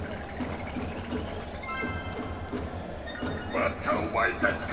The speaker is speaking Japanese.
またおまえたちか！